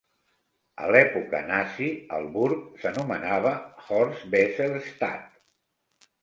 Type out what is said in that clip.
A l'època nazi, el burg s'anomenava "Horst-Wessel-Stadt".